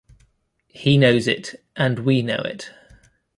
He knows it and we know it.